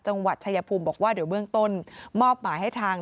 จังหวัดชายภูมิบอกว่าเดี๋ยวเบื้องต้นมอบหมายให้ทาง